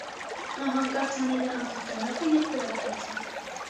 Նա հանկարծ հանել է ատրճանակը և կրակ բացել։